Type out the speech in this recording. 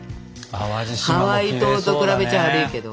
ハワイ島と比べちゃ悪いけど。